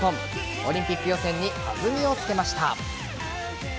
オリンピック予選に弾みをつけました。